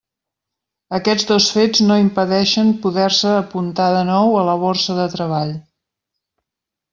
Aquests dos fets no impedeixen poder-se apuntar de nou a la borsa de treball.